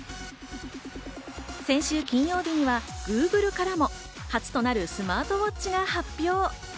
先週金曜日にはＧｏｏｇｌｅからも初となるスマートウォッチが発表。